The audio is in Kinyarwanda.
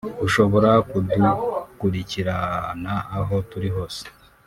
ushobora kudukurikirana aho turi hose